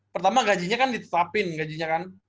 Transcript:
pertama gajinya kan ditetapkan gajinya kan